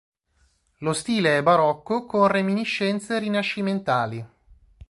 Lo stile è barocco con reminiscenze rinascimentali.